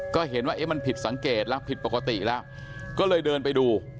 ก็เห็นว่าเอ๊ะมันผิดสังเกตแล้วผิดปกติแล้วก็เลยเดินไปดู